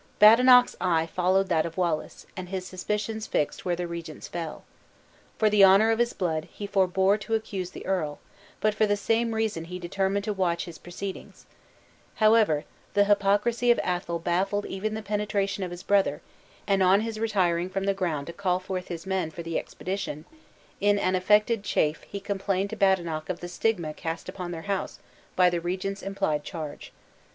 Badenoch's eye followed that of Wallace, and his suspicions fixed where the regent's fell. For the honor of his blood, he forbore to accuse the earl; but for the same reason he determined to watch his proceedings. However, the hypocrisy of Athol baffled even the penetration of his brother, and on his retiring from the ground to call forth his men for the expedition, in an affected chafe he complained to Badenoch of the stigma cast upon their house by the regent's implied charge.